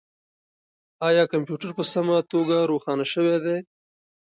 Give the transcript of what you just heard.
آیا کمپیوټر په سمه توګه روښانه شوی دی؟